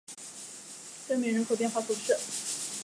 戈梅人口变化图示